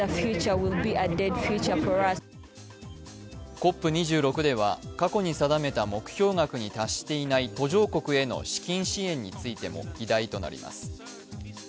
ＣＯＰ２６では、過去に定めた目標額に達していない途上国への資金支援についても議題となります。